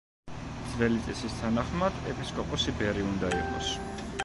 ძველი წესის თანახმად, ეპისკოპოსი ბერი უნდა იყოს.